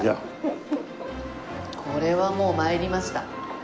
これはもう参りました。